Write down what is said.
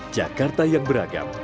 jakarta yang beragam